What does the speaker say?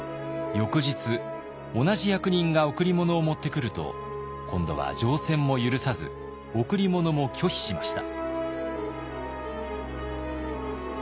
翌日同じ役人が贈り物を持ってくると今度は乗船も許さず贈り物も拒否しました。